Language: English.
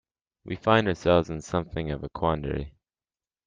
We find ourselves in something of a quandary.